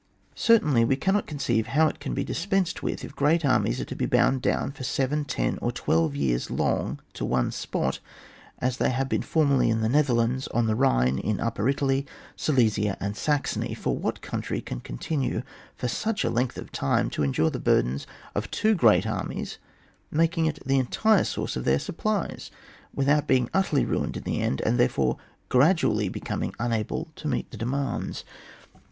Certainly we cannot conceive how it can be dispensed with if great armies are to be bound down for seven, ten, or twelve years long to one spot, as they have been formerly in the Netherlands, on the Bhine, in Upper Italy, Silesia, and Saxony ; for what country can con tinue for such a leng^ of time to endure the burden of two great armies, making it the entire source of their supplies, without being utterly ruined in the end, and therefore gradually becoming imable to meet the demands